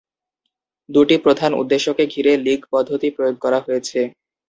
দু’টি প্রধান উদ্দেশ্যকে ঘিরে লীগ পদ্ধতি প্রয়োগ করা হয়েছে।